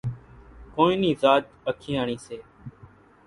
ڪونئين نِي زاچ اکياڻِي سي۔